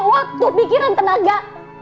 waktu pikiran tenaga